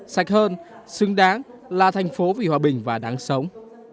sạch hơn xứng đáng là thành phố vì hòa bình và đáng sống